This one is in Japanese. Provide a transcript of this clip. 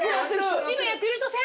今ヤクルト戦。